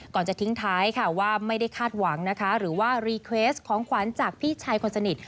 จะทิ้งท้ายค่ะว่าไม่ได้คาดหวังนะคะหรือว่ารีเครสของขวัญจากพี่ชายคนสนิท